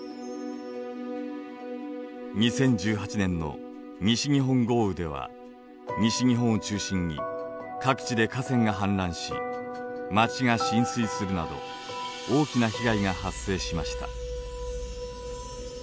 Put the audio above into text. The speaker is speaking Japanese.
２０１８年の西日本豪雨では西日本を中心に各地で河川が氾濫し町が浸水するなど大きな被害が発生しました。